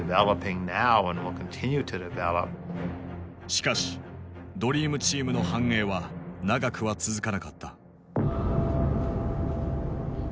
しかしドリームチームの繁栄は長くは続かなかった。